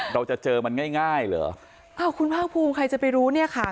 เราจะเจอมันง่ายง่ายเหรออ้าวคุณภาคภูมิใครจะไปรู้เนี่ยค่ะ